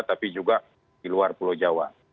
tapi juga di luar pulau jawa